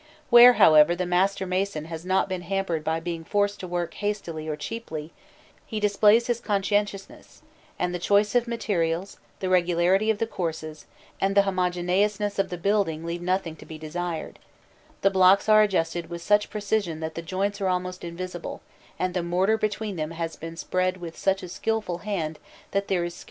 * Where, however, the master mason has not been hampered by being forced to work hastily or cheaply, he displays his conscientiousness, and the choice of materials, the regularity of the courses, and the homogeneousness of the building leave nothing to be desired; the blocks are adjusted with such precision that the joints are almost invisible, and the mortar between them has been spread with such a skilful hand that there is scarcely an appreciable difference in its uniform thickness.